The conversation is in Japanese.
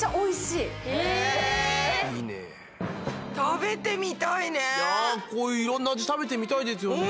いやこういういろんな味食べてみたいですよね。